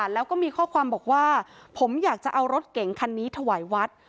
แล้วก็มีข้อความบอกว่าผมอยากจะเอารถเก่งคันนี้ถวายวัด